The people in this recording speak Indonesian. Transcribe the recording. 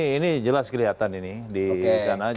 ini jelas kelihatan ini di sana